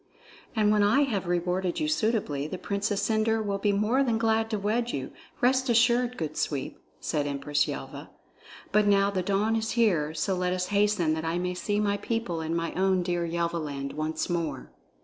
"And when I have rewarded you suitably, the Princess Cendre will be more than glad to wed you, rest assured, good Sweep," said Empress Yelva. "But now the dawn is here, so let us hasten that I may see my people and my own dear Yelvaland once more."